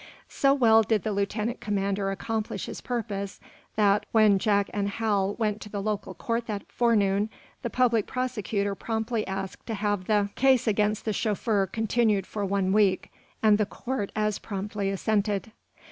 So well did the lieutenant commander accomplish his purpose that, when Jack and Hal went to the local court that forenoon, the public prosecutor promptly asked to have the case against the chauffeur continued for one week, and the court as promptly assented.